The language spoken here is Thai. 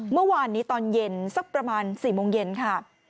เมื่อวานนี้ตอนเย็นสักประมาณ๔โมงเย็นค่ะ